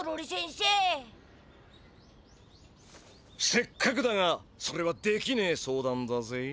せっかくだがそれはできねえ相談だぜ。